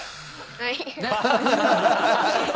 はい。